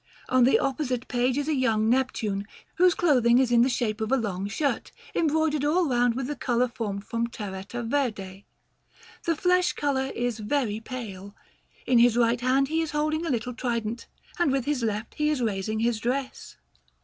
On the opposite page is a young Neptune, whose clothing is in the shape of a long shirt, embroidered all round with the colour formed from terretta verde. The flesh colour is very pale. In his right hand he is holding a little trident, and with his left he is raising his dress.